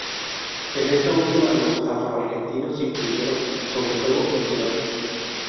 En esta última los afro-argentinos influyeron, sobre todo, en su danza.